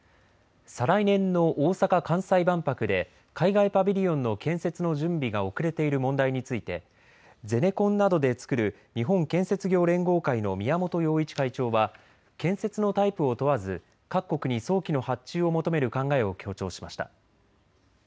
再来年の大阪・関西万博で海外パビリオンの建設の準備が遅れている問題についてゼネコンなどで作る日本建設業連合会の宮本洋一会長は建設のタイプを問わず各国に早期の発注を求める考えを強調しました。